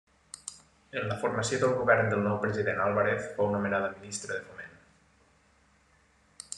En la formació del govern del nou president Álvarez fou nomenada ministra de Foment.